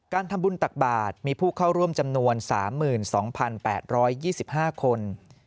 การทำบุญตักบาทมีผู้เข้าร่วมจำนวน๓๒๘๒๕คน